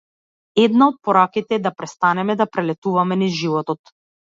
Една од пораките е да престанеме да прелетуваме низ животот.